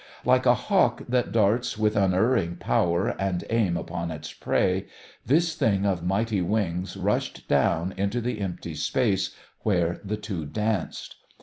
Like a hawk that darts with unerring power and aim upon its prey, this thing of mighty wings rushed down into the empty space where the two danced.